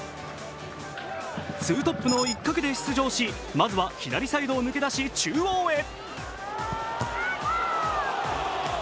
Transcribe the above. ツートップの一角で出場し、まずは左サイドを抜け出し中央へ。